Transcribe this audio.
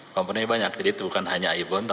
komponennya banyak jadi bukan hanya ibon